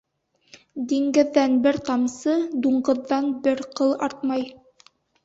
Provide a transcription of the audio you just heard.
Диңгеҙҙән бер тамсы, дуңғыҙҙан бер ҡыл артмай.